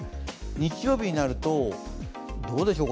日曜日になると、どうでしょう。